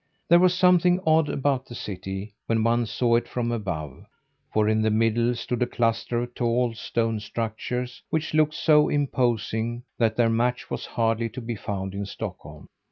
There was something odd about the city when one saw it from above, for in the middle stood a cluster of tall stone structures which looked so imposing that their match was hardly to be found in Stockholm.